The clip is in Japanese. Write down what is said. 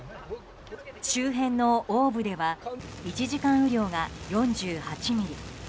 周辺の大府では１時間雨量が４８ミリ。